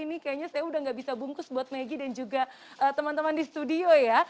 ini kayaknya saya udah gak bisa bungkus buat megi dan juga teman teman di studio ya